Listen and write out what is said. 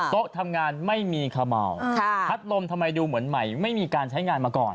โต๊ะทำงานไม่มีขม่าพัดลมทำไมดูเหมือนใหม่ไม่มีการใช้งานมาก่อน